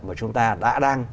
mà chúng ta đã đang